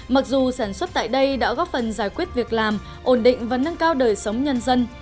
mặc dù sản xuất tại đây đã góp phần giải quyết việc làm ổn định và nâng cao đời sống nhân dân